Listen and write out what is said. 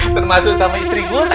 termasuk sama istri gua